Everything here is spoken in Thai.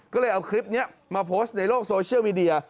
ก็เลยเอาคลิปนี้มาโพสต์ในโลกโซเชียลมีเดีย